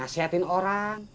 ayo pernah punggung besides